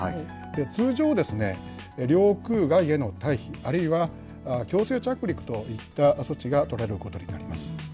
通常、領空外への待避、あるいは強制着陸といった措置が取られることになります。